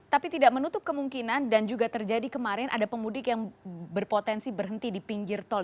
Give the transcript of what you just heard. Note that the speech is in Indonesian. tapi tidak menutup kemungkinan dan juga terjadi kemarin ada pemudik yang berpotensi berhenti di pinggir tol